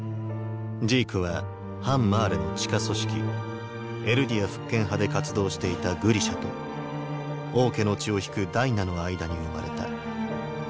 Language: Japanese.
ジークは反マーレの地下組織「エルディア復権派」で活動していたグリシャと王家の血を引くダイナの間に生まれた。